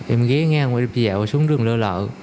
em ghé ngang đi dạo xuống đường lơ lợ